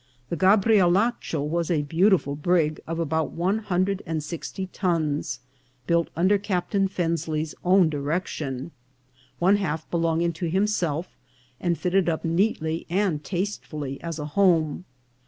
The Gabrielacho was a beautiful brig of about one hundred and sixty tons, built under Captain Fensley's own direction, one half belonging to himself, and fitted up neatly and tastefully as a home.